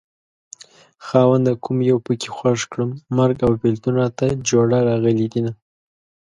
خاونده کوم يو پکې خوښ کړم مرګ او بېلتون راته جوړه راغلي دينه